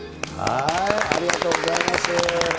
ありがとうございます。